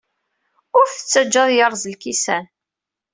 Ur t-ttajja ad yerẓ lkisan.